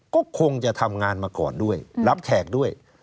ก็คงจะทำงานมาก่อนด้วยรับแขกด้วย